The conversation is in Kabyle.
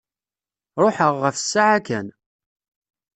Ruḥeɣ ɣef ssaɛa kan.